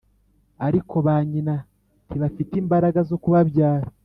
ariko ba nyina ntibafite imbaraga zo kubabyara!